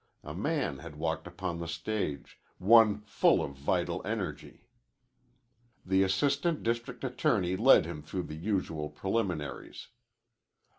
A man had walked upon the stage, one full of vital energy. The assistant district attorney led him through the usual preliminaries.